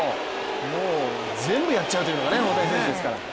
もう、全部やっちゃうのが大谷選手ですから。